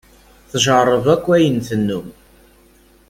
Tjerreb akk ayen tennum.